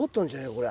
これ。